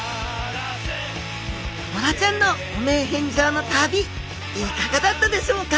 ボラちゃんの汚名返上の旅いかがだったでしょうか。